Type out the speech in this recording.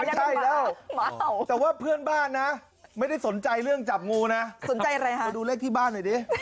ไม่ใช่แล้วแต่ว่าเพื่อนบ้านนะไม่ได้สนใจเรื่องจับงูนะสนใจอะไรฮะไปดูเลขที่บ้านหน่อยดิ